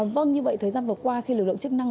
vâng như vậy thời gian vừa qua khi lực lượng chức năng